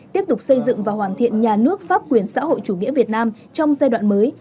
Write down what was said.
tiếp tục xây dựng và hoàn thiện nhà nước pháp quyền xã hội chủ nghĩa việt nam trong giai đoạn mới